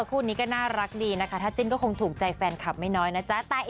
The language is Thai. คู่นี้ก็น่ารักดีนะคะถ้าจิ้นก็คงถูกใจแฟนคลับไม่น้อยนะจ๊ะ